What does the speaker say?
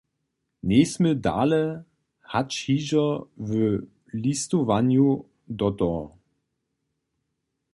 Njejsmy dale hač hižo w listowanju do toho.